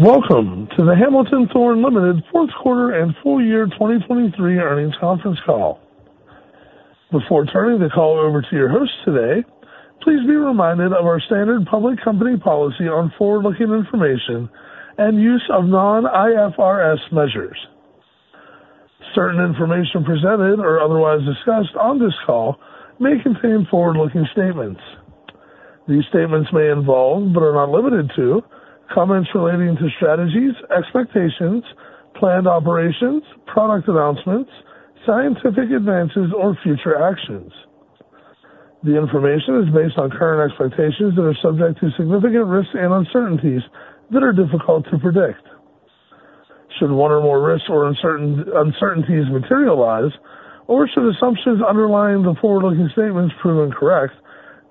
Welcome to the Hamilton Thorne Ltd Fourth Quarter and Full Year 2023 Earnings Conference Call. Before turning the call over to your host today, please be reminded of our standard public company policy on forward-looking information and use of non-IFRS measures. Certain information presented or otherwise discussed on this call may contain forward-looking statements. These statements may involve, but are not limited to, comments relating to strategies, expectations, planned operations, product announcements, scientific advances, or future actions. The information is based on current expectations that are subject to significant risks and uncertainties that are difficult to predict. Should one or more risks or uncertainties materialize, or should assumptions underlying the forward-looking statements prove incorrect,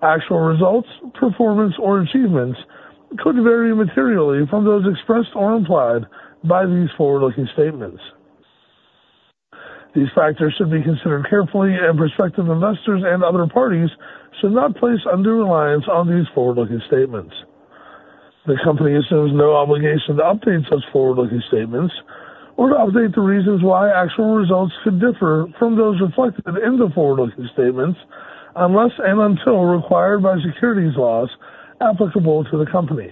actual results, performance, or achievements could vary materially from those expressed or implied by these forward-looking statements. These factors should be considered carefully, and prospective investors and other parties should not place under-reliance on these forward-looking statements. The company assumes no obligation to update such forward-looking statements or to update the reasons why actual results could differ from those reflected in the forward-looking statements unless and until required by securities laws applicable to the company.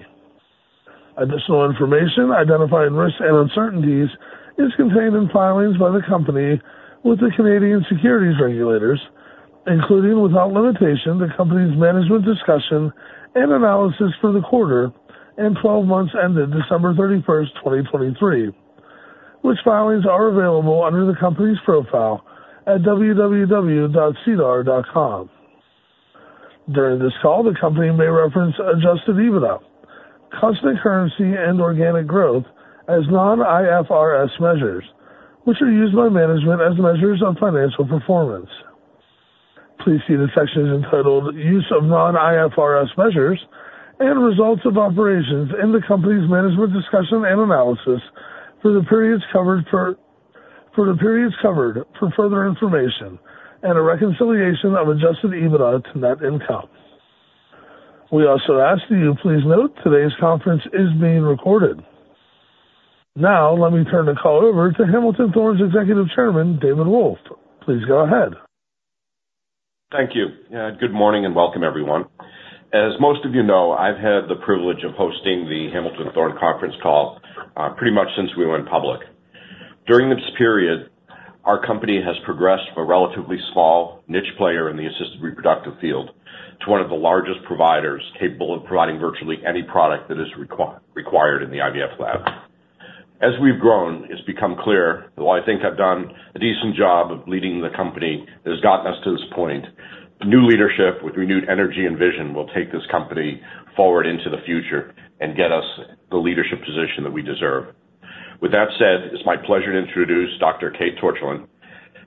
Additional information identifying risks and uncertainties is contained in filings by the company with the Canadian securities regulators, including without limitation the company's management discussion and analysis for the quarter and 12 months ended December 31st, 2023, which filings are available under the company's profile at www.sedar.com. During this call, the company may reference Adjusted EBITDA, constant currency, and organic growth as non-IFRS measures, which are used by management as measures of financial performance. Please see the sections entitled "Use of Non-IFRS Measures" and "Results of Operations" in the company's management discussion and analysis for the periods covered for further information and a reconciliation of Adjusted EBITDA to net income. We also ask that you please note today's conference is being recorded. Now, let me turn the call over to Hamilton Thorne's Executive Chairman, David Wolf. Please go ahead. Thank you. Good morning and welcome, everyone. As most of you know, I've had the privilege of hosting the Hamilton Thorne conference call pretty much since we went public. During this period, our company has progressed from a relatively small niche player in the assisted reproductive field to one of the largest providers capable of providing virtually any product that is required in the IVF lab. As we've grown, it's become clear that while I think I've done a decent job of leading the company that has gotten us to this point, new leadership with renewed energy and vision will take this company forward into the future and get us the leadership position that we deserve. With that said, it's my pleasure to introduce Dr. Kate Torchilin.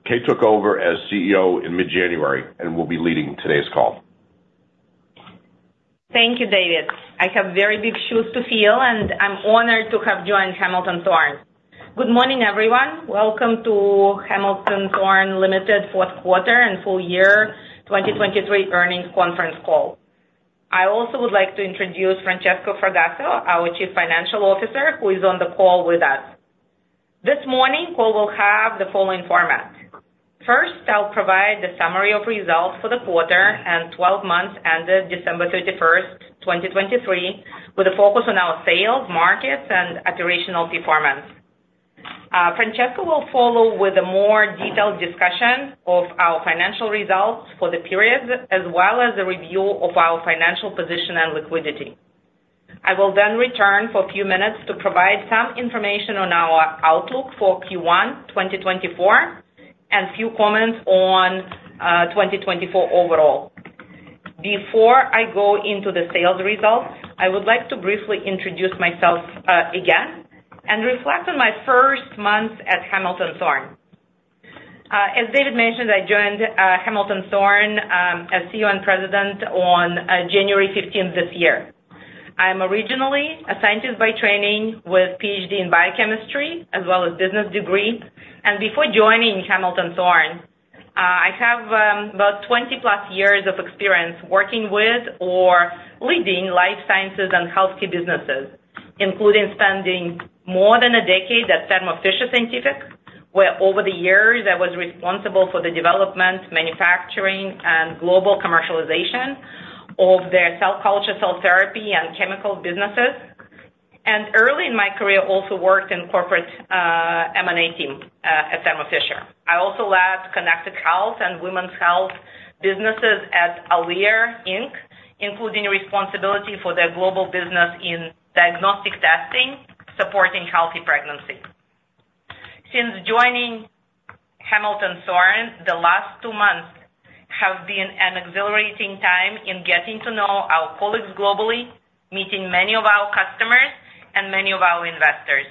Kate took over as CEO in mid-January and will be leading today's call. Thank you, David. I have very big shoes to fill, and I'm honored to have joined Hamilton Thorne. Good morning, everyone. Welcome to Hamilton Thorne Ltd Fourth Quarter and Full Year 2023 Earnings Conference Call. I also would like to introduce Francesco Fragasso, our Chief Financial Officer, who is on the call with us. This morning, the call will have the following format. First, I'll provide the summary of results for the quarter and 12 months ended December 31st, 2023, with a focus on our sales, markets, and operational performance. Francesco will follow with a more detailed discussion of our financial results for the period, as well as a review of our financial position and liquidity. I will then return for a few minutes to provide some information on our outlook for Q1 2024 and a few comments on 2024 overall. Before I go into the sales results, I would like to briefly introduce myself again and reflect on my first months at Hamilton Thorne. As David mentioned, I joined Hamilton Thorne as CEO and President on January 15th this year. I'm originally a scientist by training with a PhD in biochemistry as well as a business degree. Before joining Hamilton Thorne, I have about 20+ years of experience working with or leading life sciences and healthcare businesses, including spending more than a decade at Thermo Fisher Scientific, where over the years I was responsible for the development, manufacturing, and global commercialization of their cell culture, cell therapy, and chemical businesses. Early in my career, I also worked in the corporate M&A team at Thermo Fisher. I also led connected health and women's health businesses at Alere Inc, including responsibility for their global business in diagnostic testing, supporting healthy pregnancy. Since joining Hamilton Thorne, the last two months have been an exhilarating time in getting to know our colleagues globally, meeting many of our customers, and many of our investors.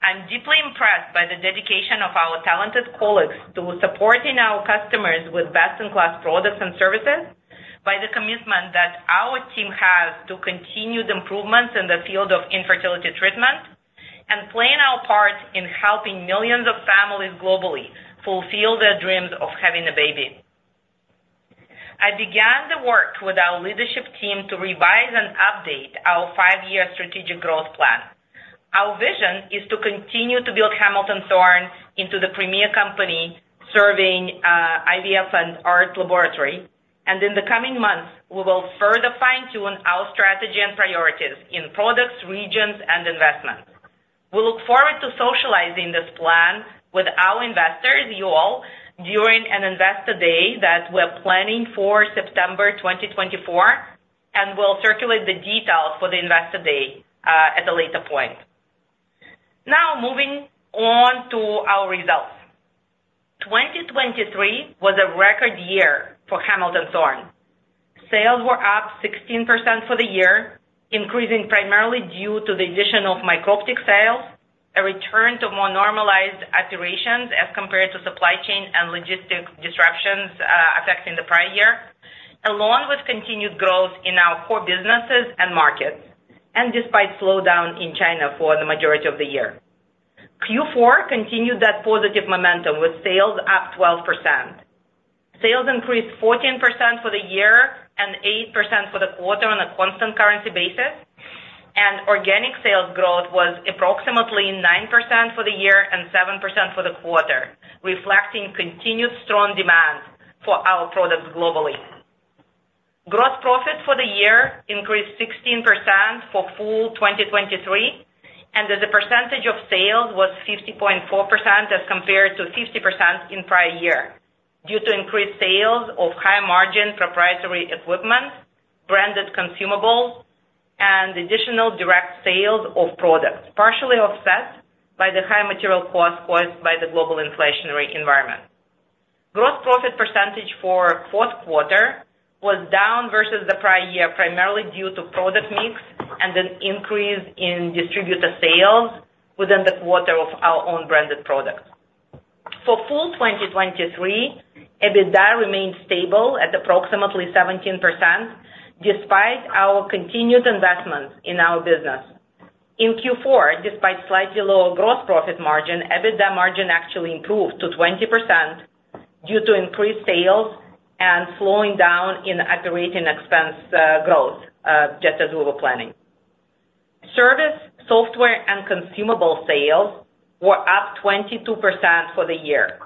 I'm deeply impressed by the dedication of our talented colleagues to supporting our customers with best-in-class products and services, by the commitment that our team has to continue the improvements in the field of infertility treatment, and playing our part in helping millions of families globally fulfill their dreams of having a baby. I began the work with our leadership team to revise and update our five-year strategic growth plan. Our vision is to continue to build Hamilton Thorne into the premier company serving IVF and ART laboratory. In the coming months, we will further fine-tune our strategy and priorities in products, regions, and investments. We look forward to socializing this plan with our investors, you all, during an investor day that we're planning for September 2024, and we'll circulate the details for the investor day at a later point. Now, moving on to our results. 2023 was a record year for Hamilton Thorne. Sales were up 16% for the year, increasing primarily due to the addition of Microptic sales, a return to more normalized operations as compared to supply chain and logistic disruptions affecting the prior year, along with continued growth in our core businesses and markets, and despite a slowdown in China for the majority of the year. Q4 continued that positive momentum with sales up 12%. Sales increased 14% for the year and 8% for the quarter on a constant currency basis. Organic sales growth was approximately 9% for the year and 7% for the quarter, reflecting continued strong demand for our products globally. Gross profit for the year increased 16% for full 2023, and the percentage of sales was 50.4% as compared to 50% in the prior year due to increased sales of high-margin proprietary equipment, branded consumables, and additional direct sales of products, partially offset by the high material costs caused by the global inflationary environment. Gross profit percentage for fourth quarter was down versus the prior year, primarily due to product mix and an increase in distributor sales within the quarter of our own branded products. For full 2023, EBITDA remained stable at approximately 17% despite our continued investments in our business. In Q4, despite slightly lower gross profit margin, EBITDA margin actually improved to 20% due to increased sales and slowing down in operating expense growth, just as we were planning. Service, software, and consumable sales were up 22% for the year.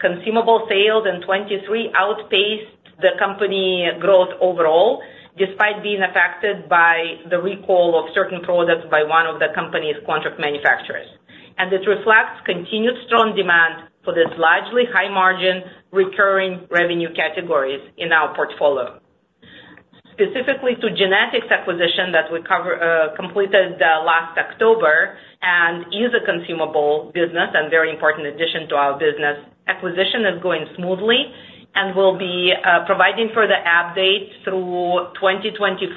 Consumable sales in 2023 outpaced the company growth overall despite being affected by the recall of certain products by one of the company's contract manufacturers. It reflects continued strong demand for these largely high-margin, recurring revenue categories in our portfolio. Specifically to Gynetics acquisition that we completed last October and is a consumable business and a very important addition to our business, acquisition is going smoothly and will be providing further updates through 2024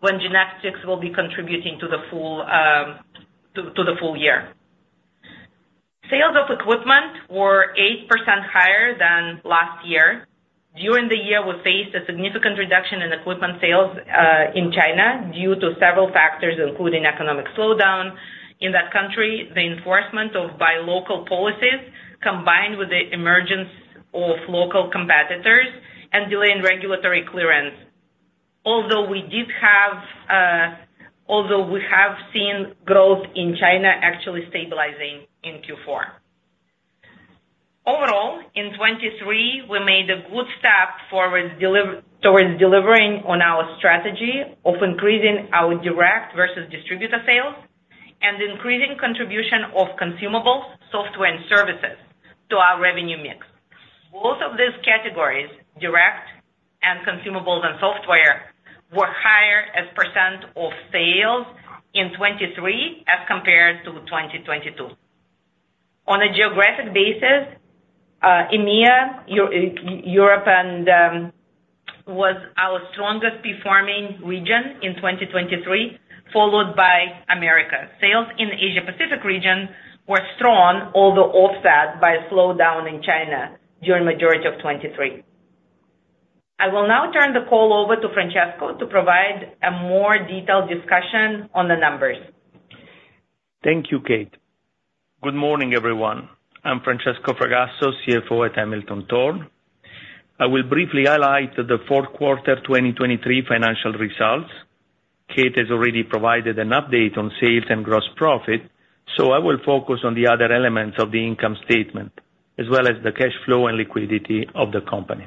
when Gynetics will be contributing to the full year. Sales of equipment were 8% higher than last year. During the year, we faced a significant reduction in equipment sales in China due to several factors, including economic slowdown in that country, the enforcement of Buy Local policies combined with the emergence of local competitors, and delay in regulatory clearance, although we have seen growth in China actually stabilizing in Q4. Overall, in 2023, we made a good step towards delivering on our strategy of increasing our direct versus distributor sales and increasing the contribution of consumables, software, and services to our revenue mix. Both of these categories, direct and consumables and software, were higher as a percent of sales in 2023 as compared to 2022. On a geographic basis, Europe was our strongest performing region in 2023, followed by Americas. Sales in the Asia-Pacific region were strong, although offset by a slowdown in China during the majority of 2023. I will now turn the call over to Francesco to provide a more detailed discussion on the numbers. Thank you, Kate. Good morning, everyone. I'm Francesco Fragasso, CFO at Hamilton Thorne. I will briefly highlight the fourth quarter 2023 financial results. Kate has already provided an update on sales and gross profit, so I will focus on the other elements of the income statement as well as the cash flow and liquidity of the company.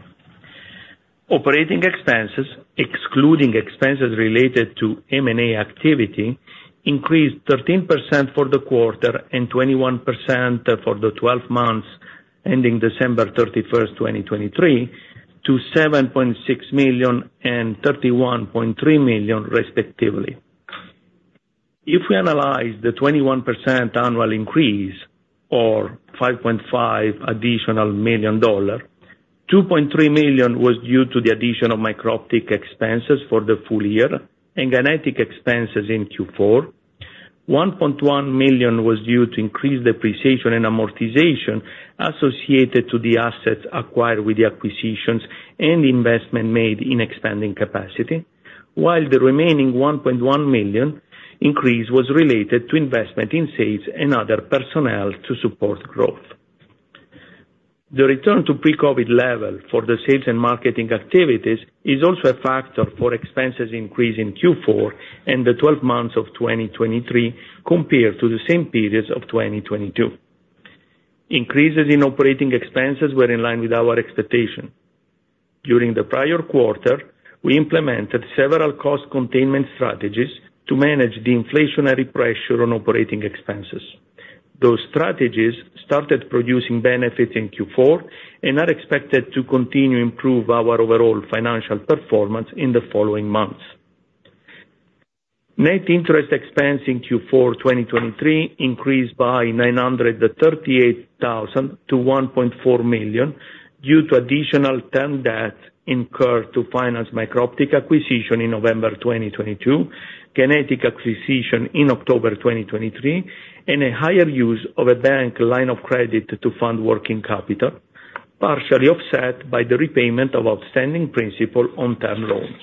Operating expenses, excluding expenses related to M&A activity, increased 13% for the quarter and 21% for the 12 months ending December 31st, 2023, to $7.6 million and $31.3 million, respectively. If we analyze the 21% annual increase or $5.5 million, $2.3 million was due to the addition of Microptic expenses for the full year and Gynetics expenses in Q4. $1.1 million was due to increased depreciation and amortization associated with the assets acquired with the acquisitions and investment made in expanding capacity, while the remaining $1.1 million increase was related to investment in sales and other personnel to support growth. The return to pre-COVID level for the sales and marketing activities is also a factor for expenses increasing in Q4 and the 12 months of 2023 compared to the same periods of 2022. Increases in operating expenses were in line with our expectation. During the prior quarter, we implemented several cost containment strategies to manage the inflationary pressure on operating expenses. Those strategies started producing benefits in Q4 and are expected to continue to improve our overall financial performance in the following months. Net interest expense in Q4 2023 increased by $938,000 to $1.4 million due to additional term debt incurred to finance Microptic acquisition in November 2022, Gynetics acquisition in October 2023, and a higher use of a bank line of credit to fund working capital, partially offset by the repayment of outstanding principal on term loans.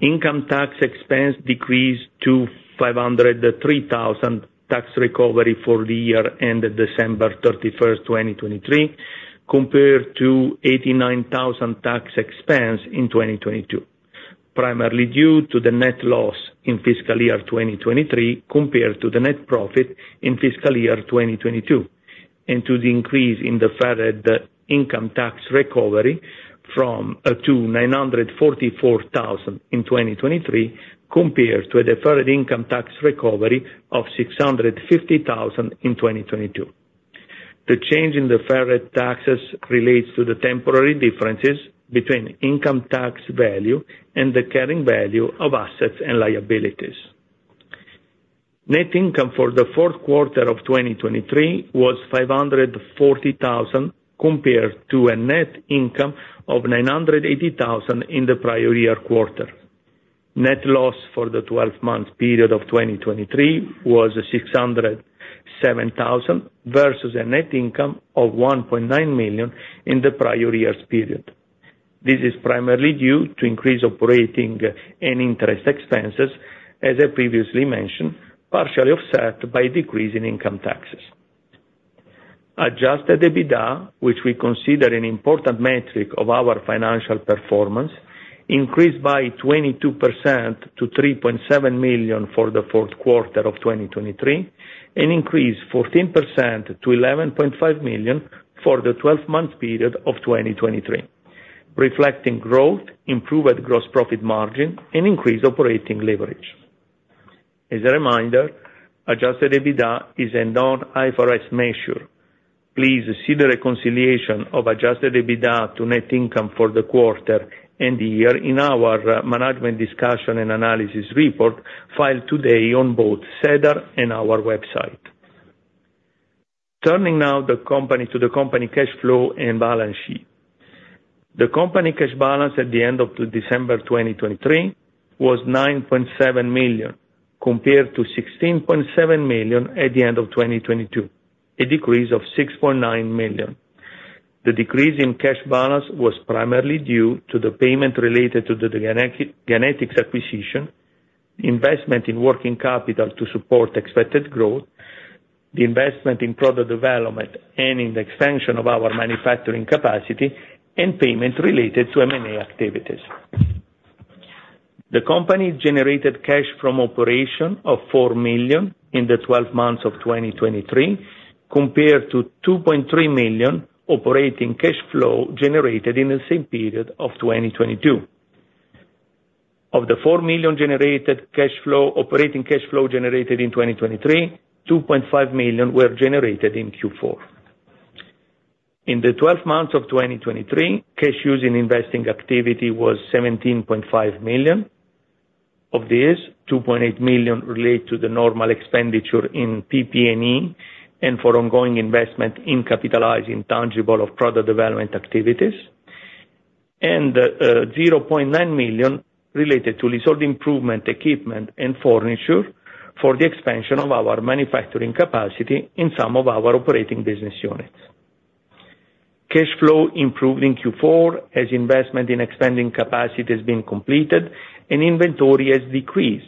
Income tax expense decreased to $503,000 tax recovery for the year ended December 31st, 2023, compared to $89,000 tax expense in 2022, primarily due to the net loss in fiscal year 2023 compared to the net profit in fiscal year 2022, and to the increase in the federal income tax recovery from $944,000 in 2023 compared to a deferred income tax recovery of $650,000 in 2022. The change in the federal taxes relates to the temporary differences between income tax value and the carrying value of assets and liabilities. Net income for the fourth quarter of 2023 was $540,000 compared to a net income of $980,000 in the prior year quarter. Net loss for the 12-month period of 2023 was $607,000 versus a net income of $1.9 million in the prior year's period. This is primarily due to increased operating and interest expenses, as I previously mentioned, partially offset by a decrease in income taxes. Adjusted EBITDA, which we consider an important metric of our financial performance, increased by 22% to $3.7 million for the fourth quarter of 2023, and increased 14% to $11.5 million for the 12-month period of 2023, reflecting growth, improved gross profit margin, and increased operating leverage. As a reminder, adjusted EBITDA is a non-IFRS measure. Please see the reconciliation of Adjusted EBITDA to net income for the quarter and the year in our management discussion and analysis report filed today on both SEDAR and our website. Turning now to the company cash flow and balance sheet. The company cash balance at the end of December 2023 was $9.7 million compared to $16.7 million at the end of 2022, a decrease of $6.9 million. The decrease in cash balance was primarily due to the payment related to the Gynetics acquisition, investment in working capital to support expected growth, the investment in product development and in the expansion of our manufacturing capacity, and payment related to M&A activities. The company generated cash from operation of $4 million in the 12 months of 2023 compared to $2.3 million operating cash flow generated in the same period of 2022. Of the $4 million operating cash flow generated in 2023, $2.5 million were generated in Q4. In the 12 months of 2023, cash use and investing activity was $17.5 million. Of this, $2.8 million related to the normal expenditure in PP&E and for ongoing investment in capitalizing tangible of product development activities, and $0.9 million related to leasehold improvement equipment and furniture for the expansion of our manufacturing capacity in some of our operating business units. Cash flow improved in Q4 as investment in expanding capacity has been completed, and inventory has decreased.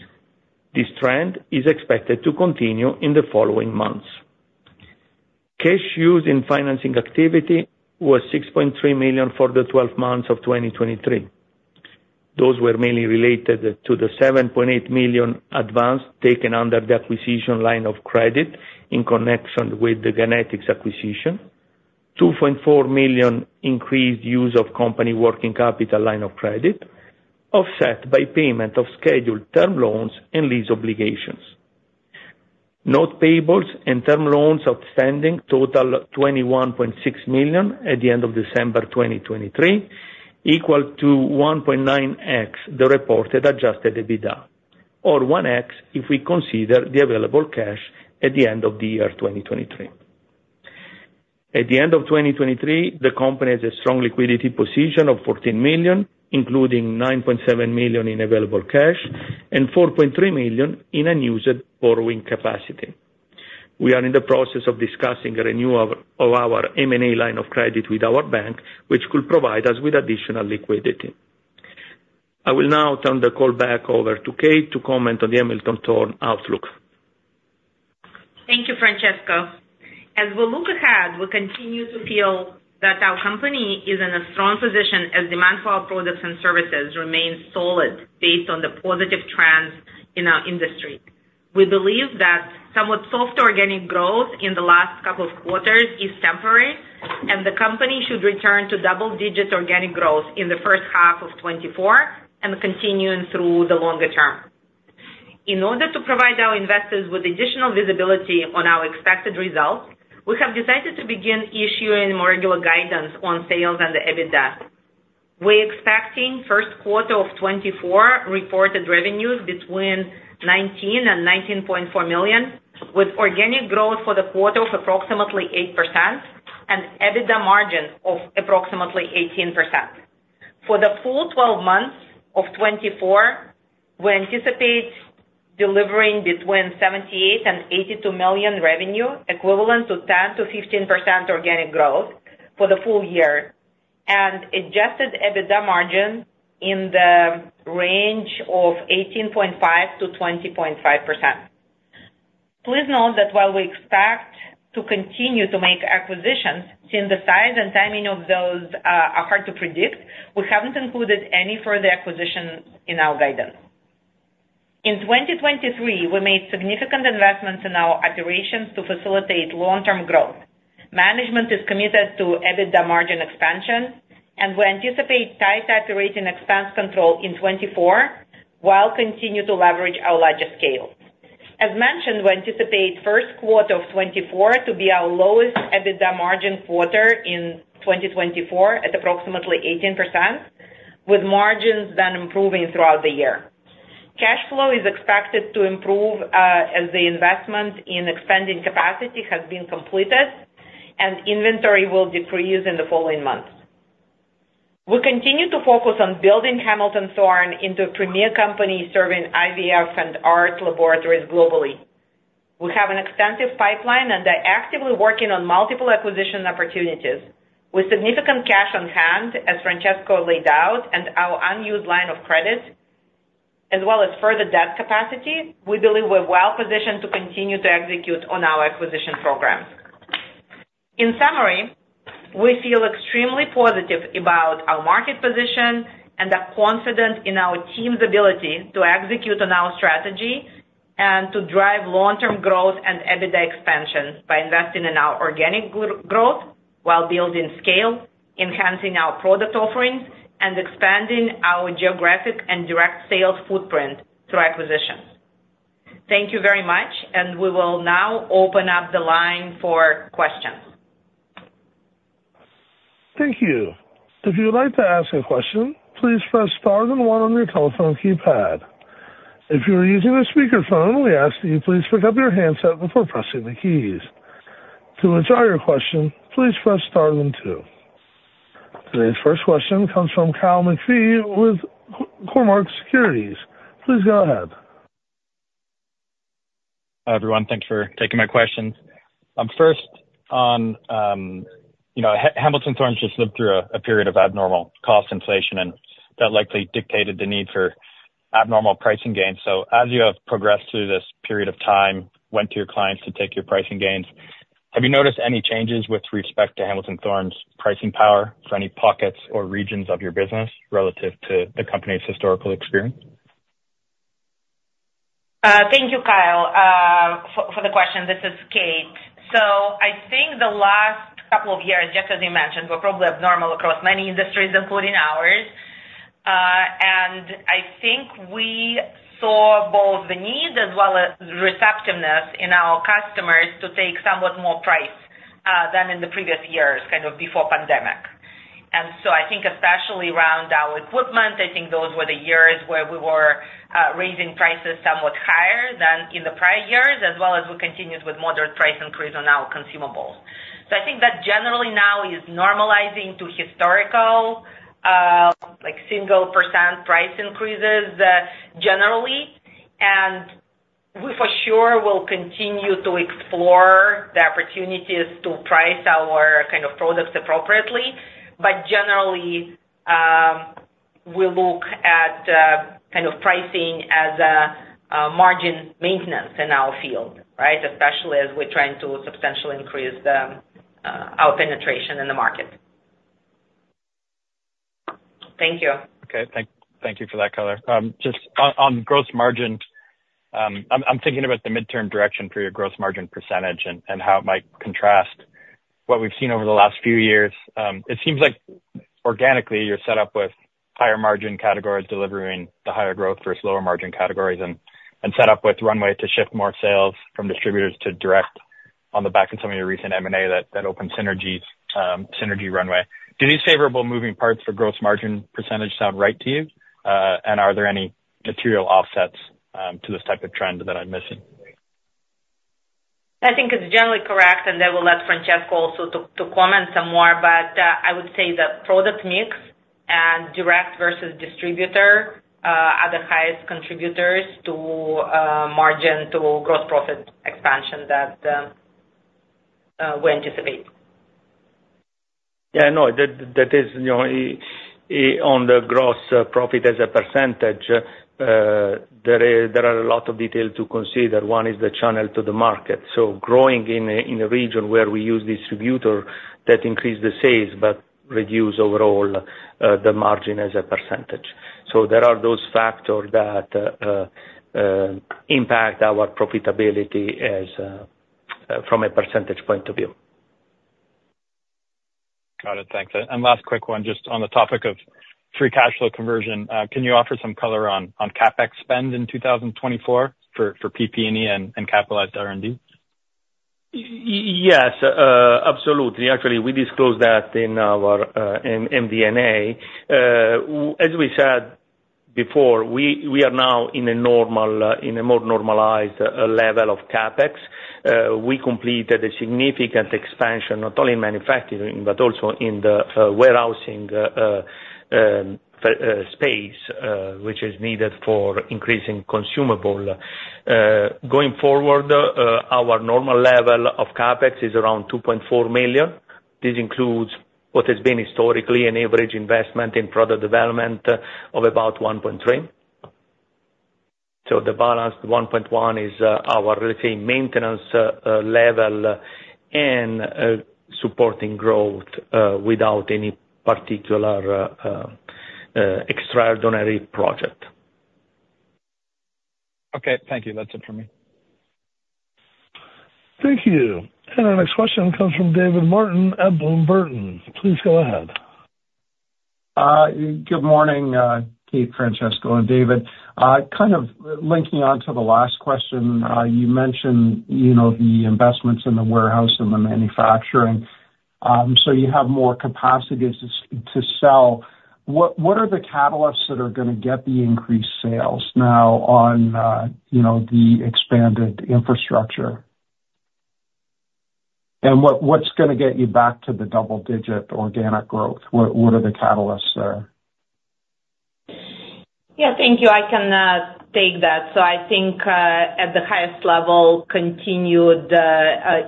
This trend is expected to continue in the following months. Cash use and financing activity was $6.3 million for the 12 months of 2023. Those were mainly related to the $7.8 million advance taken under the acquisition line of credit in connection with the Gynetics acquisition, $2.4 million increased use of company working capital line of credit, offset by payment of scheduled term loans and lease obligations. Note payables and term loans outstanding totaled $21.6 million at the end of December 2023, equal to 1.9x the reported Adjusted EBITDA, or 1x if we consider the available cash at the end of the year 2023. At the end of 2023, the company has a strong liquidity position of $14 million, including $9.7 million in available cash and $4.3 million in unused borrowing capacity. We are in the process of discussing a renewal of our M&A line of credit with our bank, which could provide us with additional liquidity. I will now turn the call back over to Kate to comment on the Hamilton Thorne outlook. Thank you, Francesco. As we look ahead, we continue to feel that our company is in a strong position as demand for our products and services remains solid based on the positive trends in our industry. We believe that somewhat soft organic growth in the last couple of quarters is temporary, and the company should return to double-digit organic growth in the first half of 2024 and continuing through the longer term. In order to provide our investors with additional visibility on our expected results, we have decided to begin issuing more regular guidance on sales and the EBITDA. We're expecting first quarter of 2024 reported revenues between $19-$19.4 million, with organic growth for the quarter of approximately 8% and EBITDA margin of approximately 18%. For the full 12 months of 2024, we anticipate delivering between $78-$82 million revenue equivalent to 10%-15% organic growth for the full year and adjusted EBITDA margin in the range of 18.5%-20.5%. Please note that while we expect to continue to make acquisitions, since the size and timing of those are hard to predict, we haven't included any further acquisitions in our guidance. In 2023, we made significant investments in our operations to facilitate long-term growth. Management is committed to EBITDA margin expansion, and we anticipate tight operating expense control in 2024 while continuing to leverage our larger scale. As mentioned, we anticipate first quarter of 2024 to be our lowest EBITDA margin quarter in 2024 at approximately 18%, with margins then improving throughout the year. Cash flow is expected to improve as the investment in expanding capacity has been completed, and inventory will decrease in the following months. We continue to focus on building Hamilton Thorne into a premier company serving IVF and ART laboratories globally. We have an extensive pipeline, and they're actively working on multiple acquisition opportunities. With significant cash on hand, as Francesco laid out, and our unused line of credit as well as further debt capacity, we believe we're well-positioned to continue to execute on our acquisition programs. In summary, we feel extremely positive about our market position and are confident in our team's ability to execute on our strategy and to drive long-term growth and EBITDA expansion by investing in our organic growth while building scale, enhancing our product offerings, and expanding our geographic and direct sales footprint through acquisitions. Thank you very much, and we will now open up the line for questions. Thank you. If you would like to ask a question, please press star and one on your telephone keypad. If you're using a speakerphone, we ask that you please pick up your handset before pressing the keys. To answer either question, please press star and two. Today's first question comes from Kyle McPhee with Cormark Securities. Please go ahead. Hi everyone. Thanks for taking my questions. First, Hamilton Thorne just lived through a period of abnormal cost inflation, and that likely dictated the need for abnormal pricing gains. So as you have progressed through this period of time, went to your clients to take your pricing gains, have you noticed any changes with respect to Hamilton Thorne's pricing power for any pockets or regions of your business relative to the company's historical experience? Thank you, Kyle, for the question. This is Kate. So I think the last couple of years, just as you mentioned, were probably abnormal across many industries, including ours. And I think we saw both the need as well as receptiveness in our customers to take somewhat more price than in the previous years, kind of before pandemic. And so I think especially around our equipment, I think those were the years where we were raising prices somewhat higher than in the prior years, as well as we continued with moderate price increase on our consumables. So I think that generally now is normalizing to historical single percent price increases generally. And we for sure will continue to explore the opportunities to price our kind of products appropriately. Generally, we look at kind of pricing as margin maintenance in our field, right, especially as we're trying to substantially increase our penetration in the market. Thank you. Okay. Thank you for that, Kyle. Just on gross margin, I'm thinking about the midterm direction for your gross margin percentage and how it might contrast what we've seen over the last few years. It seems like organically, you're set up with higher margin categories delivering the higher growth versus lower margin categories and set up with runway to shift more sales from distributors to direct on the back of some of your recent M&A that opened Synergy's Synergy runway. Do these favorable moving parts for gross margin percentage sound right to you? And are there any material offsets to this type of trend that I'm missing? I think it's generally correct, and I will let Francesco also comment some more. But I would say the product mix and direct versus distributor are the highest contributors to margin, to gross profit expansion that we anticipate. Yeah. No, that is on the gross profit as a percentage. There are a lot of details to consider. One is the channel to the market. So growing in a region where we use distributor, that increase the sales but reduce overall the margin as a percentage. So there are those factors that impact our profitability from a percentage point of view. Got it. Thanks. Last quick one, just on the topic of free cash flow conversion, can you offer some color on CapEx spend in 2024 for PP&E and capitalized R&D? Yes, absolutely. Actually, we disclosed that in our MD&A. As we said before, we are now in a more normalized level of CapEx. We completed a significant expansion not only in manufacturing but also in the warehousing space, which is needed for increasing consumable. Going forward, our normal level of CapEx is around $2.4 million. This includes what has been historically an average investment in product development of about $1.3 million. So the balanced $1.1 million is our, let's say, maintenance level and supporting growth without any particular extraordinary project. Okay. Thank you. That's it from me. Thank you. Our next question comes from David Martin at Bloom Burton. Please go ahead. Good morning, Kate, Francesco, and David. Kind of linking onto the last question, you mentioned the investments in the warehouse and the manufacturing. So you have more capacity to sell. What are the catalysts that are going to get the increased sales now on the expanded infrastructure? And what's going to get you back to the double-digit organic growth? What are the catalysts there? Yeah. Thank you. I can take that. So I think at the highest level, continued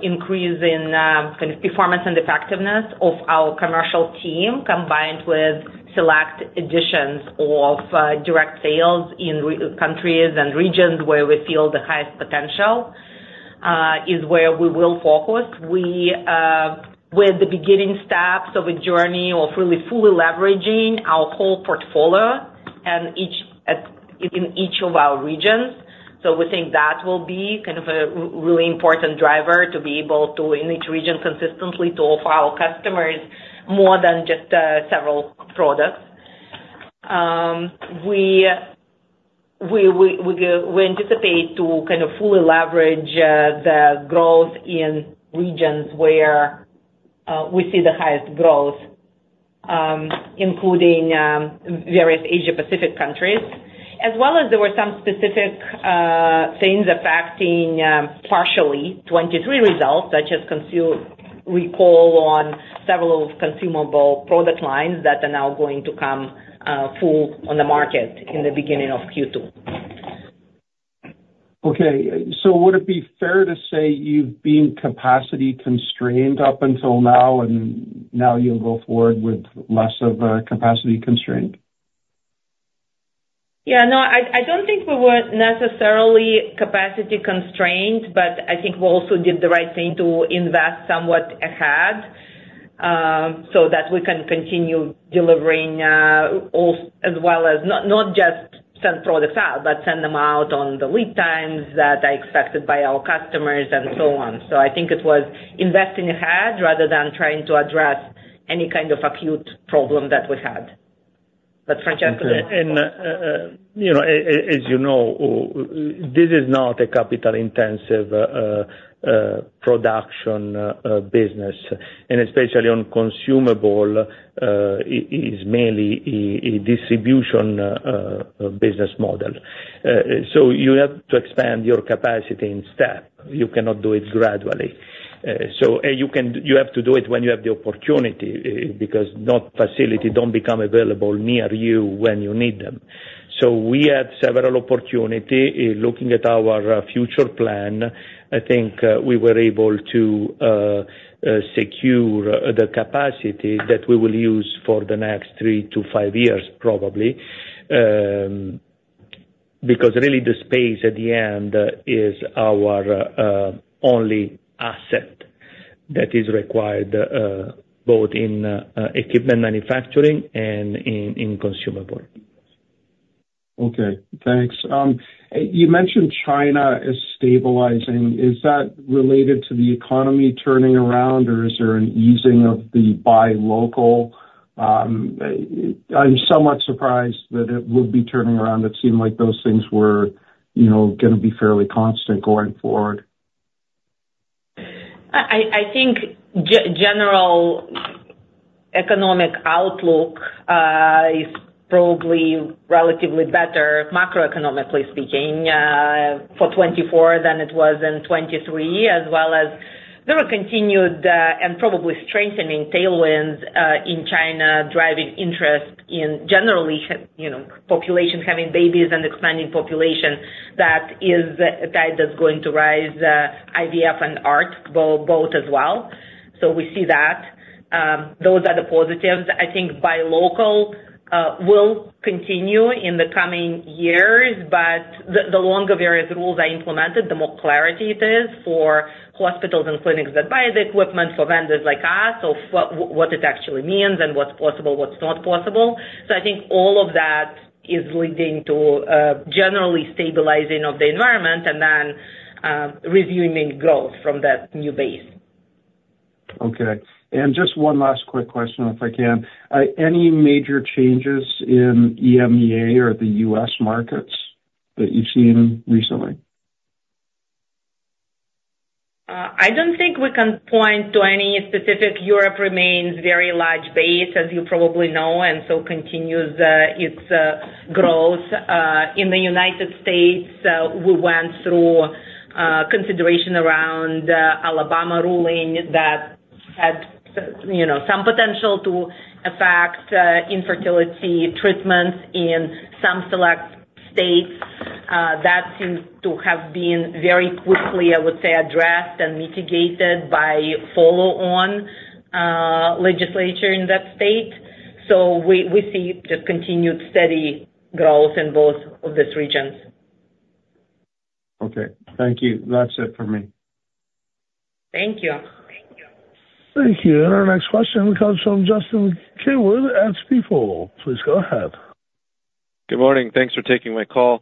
increase in kind of performance and effectiveness of our commercial team combined with select additions of direct sales in countries and regions where we feel the highest potential is where we will focus. We're at the beginning steps of a journey of really fully leveraging our whole portfolio in each of our regions. So we think that will be kind of a really important driver to be able to, in each region, consistently to offer our customers more than just several products. We anticipate to kind of fully leverage the growth in regions where we see the highest growth, including various Asia-Pacific countries, as well as there were some specific things affecting partially 2023 results, such as recall on several consumable product lines that are now going to come full on the market in the beginning of Q2. Okay. So would it be fair to say you've been capacity-constrained up until now, and now you'll go forward with less of a capacity constraint? Yeah. No, I don't think we were necessarily capacity-constrained, but I think we also did the right thing to invest somewhat ahead so that we can continue delivering as well as not just send products out but send them out on the lead times that are expected by our customers and so on. So I think it was investing ahead rather than trying to address any kind of acute problem that we had. But Francesco doesn't. As you know, this is not a capital-intensive production business, and especially on consumable, it's mainly a distribution business model. You have to expand your capacity in step. You cannot do it gradually. You have to do it when you have the opportunity because facilities don't become available near you when you need them. We had several opportunities. Looking at our future plan, I think we were able to secure the capacity that we will use for the next 3-5 years, probably, because really the space at the end is our only asset that is required both in equipment manufacturing and in consumable. Okay. Thanks. You mentioned China is stabilizing. Is that related to the economy turning around, or is there an easing of the Buy Local? I'm somewhat surprised that it would be turning around. It seemed like those things were going to be fairly constant going forward. I think general economic outlook is probably relatively better, macroeconomically speaking, for 2024 than it was in 2023, as well as there are continued and probably strengthening tailwinds in China driving interest in generally population having babies and expanding population. That is a tide that's going to rise, IVF and ART both as well. So we see that. Those are the positives. I think Buy Local will continue in the coming years, but the longer various rules are implemented, the more clarity it is for hospitals and clinics that buy the equipment, for vendors like us, of what it actually means and what's possible, what's not possible. So I think all of that is leading to generally stabilizing of the environment and then resuming growth from that new base. Okay. And just one last quick question, if I can. Any major changes in EMEA or the US markets that you've seen recently? I don't think we can point to any specific. Europe remains very large base, as you probably know, and so continues its growth. In the United States, we went through consideration around Alabama ruling that had some potential to affect infertility treatments in some select states. That seems to have been very quickly, I would say, addressed and mitigated by follow-on legislature in that state. We see just continued steady growth in both of these regions. Okay. Thank you. That's it from me. Thank you. Thank you. Our next question comes from Justin Keywood at Stifel. Please go ahead. Good morning. Thanks for taking my call.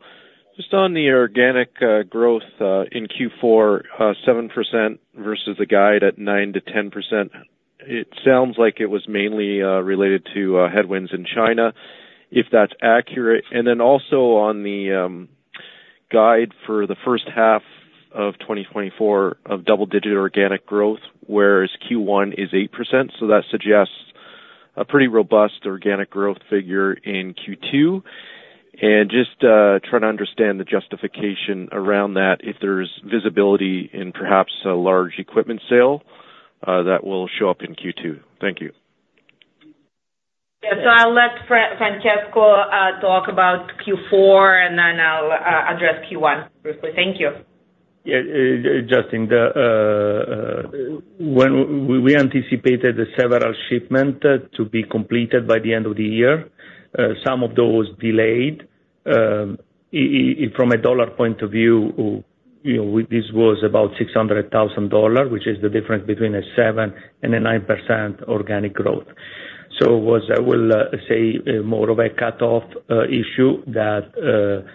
Just on the organic growth in Q4, 7% versus the guide at 9%-10%, it sounds like it was mainly related to headwinds in China, if that's accurate. And then also on the guide for the first half of 2024 of double-digit organic growth, whereas Q1 is 8%. So that suggests a pretty robust organic growth figure in Q2. And just trying to understand the justification around that, if there's visibility in perhaps a large equipment sale that will show up in Q2. Thank you. Yeah. So I'll let Francesco talk about Q4, and then I'll address Q1 briefly. Thank you. Yeah. Justin, we anticipated several shipments to be completed by the end of the year. Some of those delayed. From a dollar point of view, this was about $600,000, which is the difference between a 7% and a 9% organic growth. So it was, I will say, more of a cutoff issue that,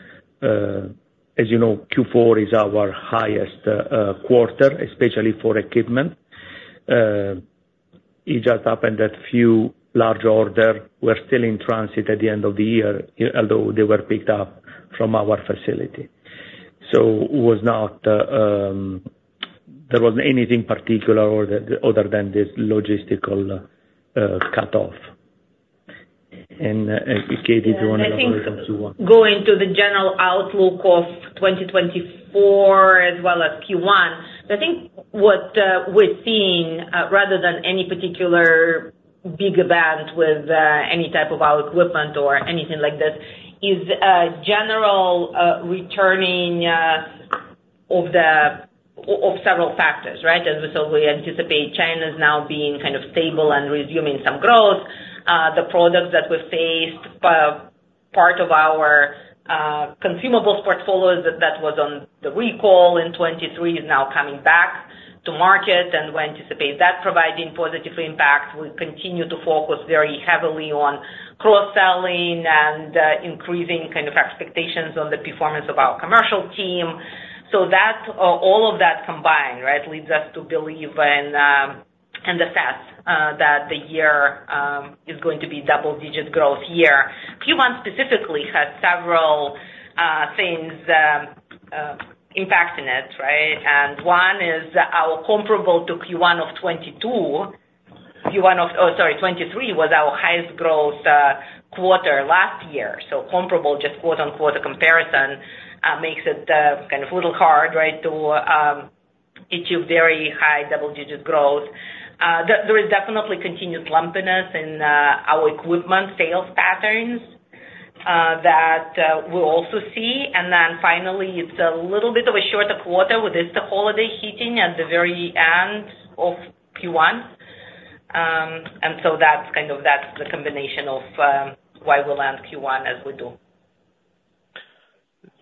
as you know, Q4 is our highest quarter, especially for equipment. It just happened that a few larger orders were still in transit at the end of the year, although they were picked up from our facility. So there wasn't anything particular other than this logistical cutoff. And Kate, if you want to go into Q1. I think going to the general outlook of 2024 as well as Q1, I think what we're seeing, rather than any particular big event with any type of our equipment or anything like this, is general returning of several factors, right? As we said, we anticipate China's now being kind of stable and resuming some growth. The products that we've faced, part of our consumables portfolio that was on the recall in 2023 is now coming back to market. And we anticipate that providing positive impact. We continue to focus very heavily on cross-selling and increasing kind of expectations on the performance of our commercial team. So all of that combined, right, leads us to believe and assess that the year is going to be a double-digit growth year. Q1 specifically has several things impacting it, right? And one is our comparable to Q1 of 2022. Q1 of, oh, sorry, 2023 was our highest growth quarter last year. So comparable, just quote-unquote, a comparison makes it kind of a little hard, right, to achieve very high double-digit growth. There is definitely continued lumpiness in our equipment sales patterns that we also see. And then finally, it's a little bit of a shorter quarter with this holiday hitting at the very end of Q1. And so kind of that's the combination of why we'll end Q1 as we do.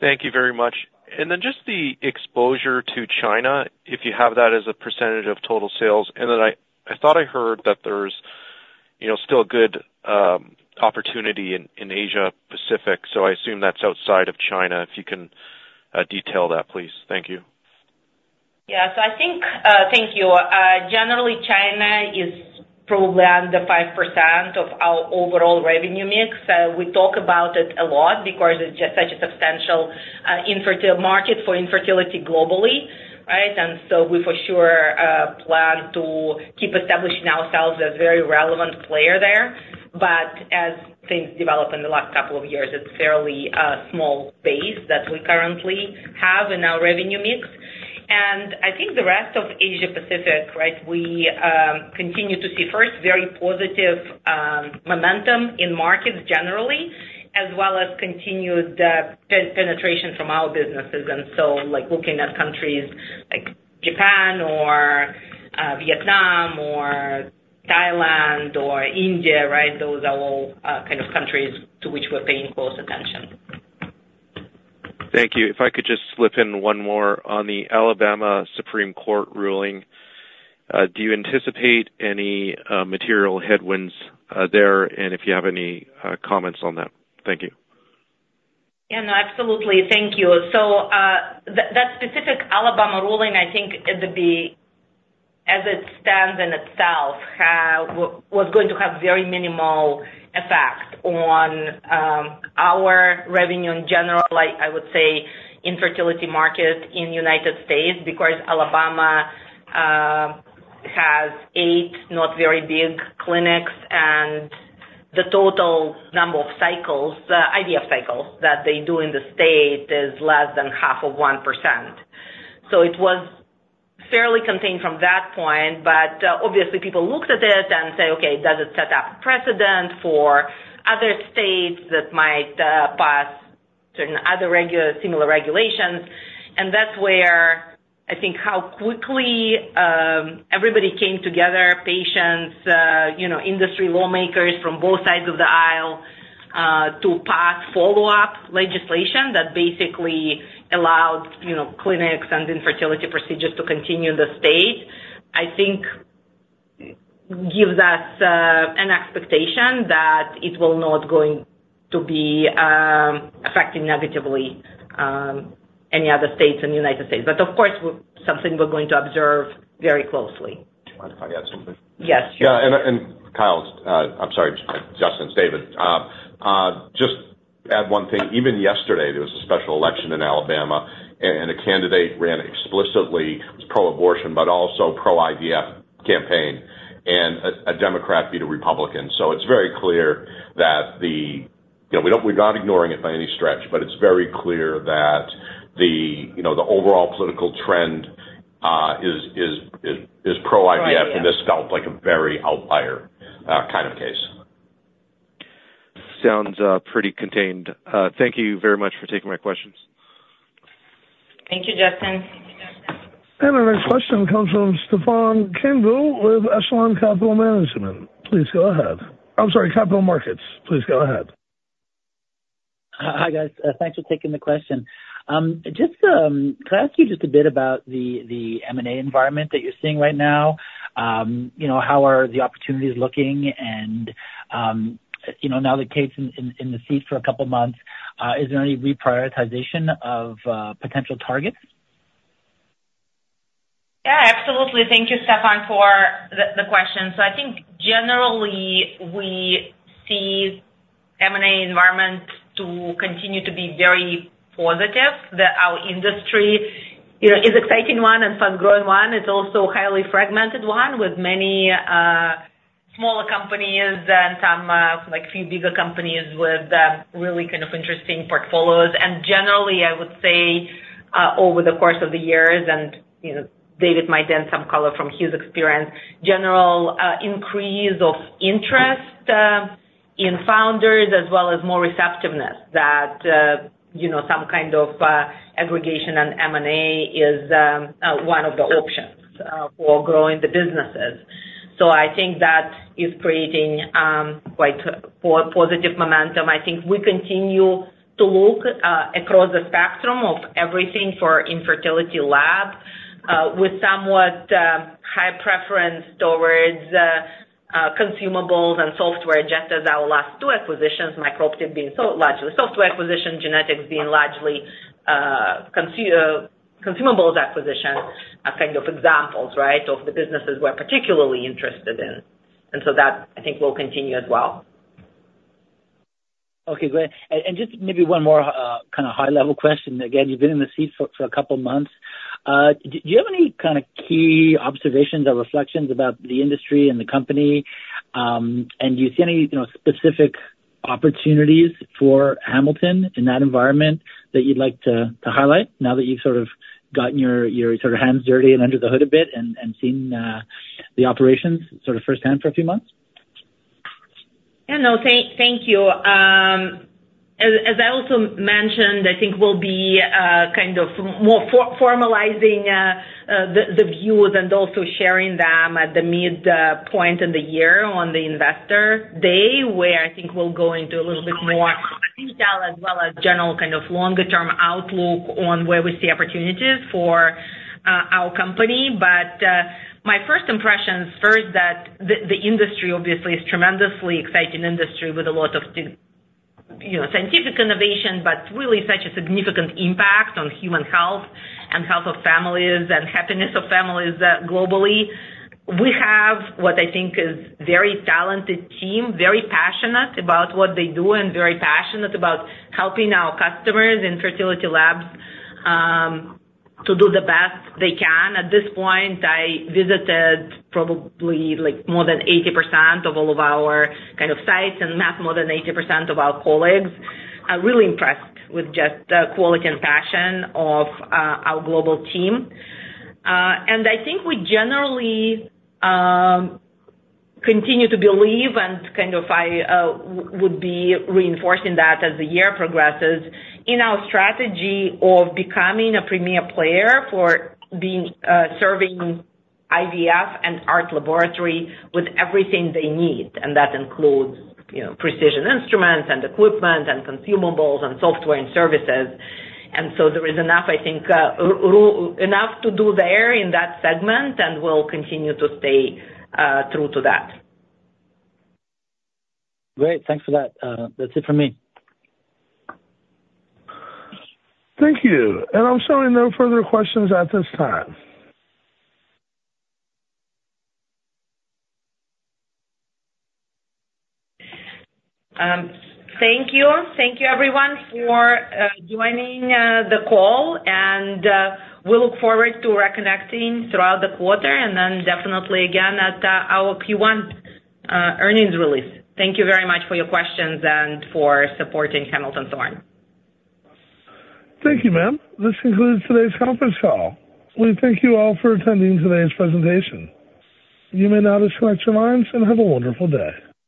Thank you very much. And then just the exposure to China, if you have that as a percentage of total sales. And then I thought I heard that there's still a good opportunity in Asia-Pacific, so I assume that's outside of China. If you can detail that, please. Thank you. Yeah. So I think thank you. Generally, China is probably under 5% of our overall revenue mix. We talk about it a lot because it's just such a substantial market for infertility globally, right? And so we for sure plan to keep establishing ourselves as a very relevant player there. But as things develop in the last couple of years, it's a fairly small base that we currently have in our revenue mix. And I think the rest of Asia-Pacific, right, we continue to see, first, very positive momentum in markets generally, as well as continued penetration from our businesses. And so looking at countries like Japan or Vietnam or Thailand or India, right, those are all kind of countries to which we're paying close attention. Thank you. If I could just slip in one more on the Alabama Supreme Court ruling, do you anticipate any material headwinds there? If you have any comments on that, thank you. Yeah. No, absolutely. Thank you. So that specific Alabama ruling, I think it would be, as it stands in itself, was going to have very minimal effect on our revenue in general, I would say, infertility market in the United States because Alabama has eight not very big clinics. And the total number of cycles, IVF cycles, that they do in the state is less than half of 1%. So it was fairly contained from that point. But obviously, people looked at it and said, "Okay. Does it set up precedent for other states that might pass other similar regulations?" And that's where, I think, how quickly everybody came together, patients, industry, lawmakers from both sides of the aisle, to pass follow-up legislation that basically allowed clinics and infertility procedures to continue in the state, I think, gives us an expectation that it will not going to be affecting negatively any other states in the United States. But of course, it's something we're going to observe very closely. Do you mind if I add something? Yes. Yeah. And Kyle's—I'm sorry, Justin, it's David. Just to add one thing. Even yesterday, there was a special election in Alabama, and a candidate ran explicitly was pro-abortion but also pro-IVF campaign, and a Democrat beat a Republican. So it's very clear that we're not ignoring it by any stretch, but it's very clear that the overall political trend is pro-IVF, and this felt like a very outlier kind of case. Sounds pretty contained. Thank you very much for taking my questions. Thank you, Justin. Our next question comes from Stefan Quenneville with Echelon Capital Markets. Please go ahead. I'm sorry, Capital Markets. Please go ahead. Hi, guys. Thanks for taking the question. Can I ask you just a bit about the M&A environment that you're seeing right now? How are the opportunities looking? And now that Kate's in the seat for a couple of months, is there any reprioritization of potential targets? Yeah. Absolutely. Thank you, Stefan, for the question. So I think generally, we see the M&A environment to continue to be very positive. Our industry is an exciting one and a fast-growing one. It's also a highly fragmented one with many smaller companies and a few bigger companies with really kind of interesting portfolios. And generally, I would say over the course of the years - and David might then some color from his experience - general increase of interest in founders as well as more receptiveness, that some kind of aggregation and M&A is one of the options for growing the businesses. So I think that is creating quite positive momentum. I think we continue to look across the spectrum of everything for infertility lab with somewhat high preference towards consumables and software, just as our last two acquisitions, Microptic, being largely software acquisition, Gynetics, being largely consumables acquisition, are kind of examples, right, of the businesses we're particularly interested in. And so that, I think, will continue as well. Okay. Great. And just maybe one more kind of high-level question. Again, you've been in the seat for a couple of months. Do you have any kind of key observations or reflections about the industry and the company? And do you see any specific opportunities for Hamilton in that environment that you'd like to highlight now that you've sort of gotten your sort of hands dirty and under the hood a bit and seen the operations sort of firsthand for a few months? Yeah. No, thank you. As I also mentioned, I think we'll be kind of more formalizing the views and also sharing them at the midpoint of the year on the investor day, where I think we'll go into a little bit more detail as well as general kind of longer-term outlook on where we see opportunities for our company. But my first impressions, first, that the industry, obviously, is a tremendously exciting industry with a lot of scientific innovation but really such a significant impact on human health and health of families and happiness of families globally. We have what I think is a very talented team, very passionate about what they do, and very passionate about helping our customers in fertility labs to do the best they can. At this point, I visited probably more than 80% of all of our kind of sites and met more than 80% of our colleagues, really impressed with just the quality and passion of our global team. I think we generally continue to believe, and kind of I would be reinforcing that as the year progresses, in our strategy of becoming a premier player for serving IVF and ART laboratory with everything they need. And that includes precision instruments and equipment and consumables and software and services. And so there is enough, I think, enough to do there in that segment, and we'll continue to stay true to that. Great. Thanks for that. That's it from me. Thank you. I'm showing no further questions at this time. Thank you. Thank you, everyone, for joining the call. We look forward to reconnecting throughout the quarter and then definitely again at our Q1 earnings release. Thank you very much for your questions and for supporting Hamilton Thorne. Thank you, ma'am. This concludes today's conference call. We thank you all for attending today's presentation. You may now just collect your lines and have a wonderful day.